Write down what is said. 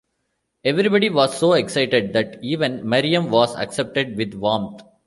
Everybody was so excited that even Miriam was accepted with warmth.